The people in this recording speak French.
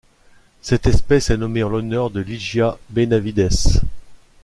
Cette espèce est nommée en l'honneur de Ligia Benavides.